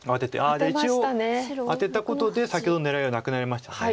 一応アテたことで先ほどの狙いがなくなりました。